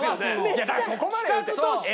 いやだからそこまで言って。